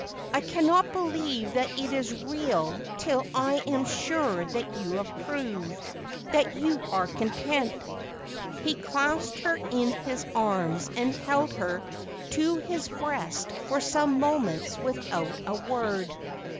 I cannot believe that it is real till I am sure that you approve, that you are content.' He clasped her in his arms, and held her to his breast for some moments without a word.